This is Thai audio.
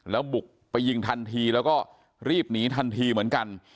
แล้วบุกไปยิงทันทีแล้วก็รีบหนีทันทีเหมือนกัน